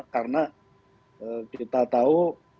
karena kita tahu